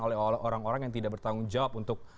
oleh orang orang yang tidak bertanggung jawab untuk